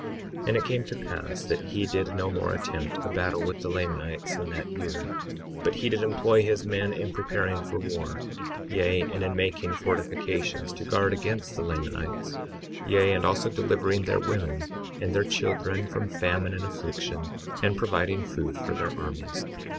53:7 And it came to pass that he did no more attempt a battle with the Lamanites in that year, but he did employ his men in preparing for war, yea, and in making fortifications to guard against the Lamanites, yea, and also delivering their women and their children from famine and affliction, and providing food for their armies.